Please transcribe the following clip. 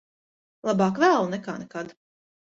Labāk vēlu nekā nekad.